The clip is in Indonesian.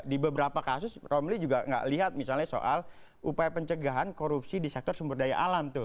di beberapa kasus romli juga nggak lihat misalnya soal upaya pencegahan korupsi di sektor sumber daya alam tuh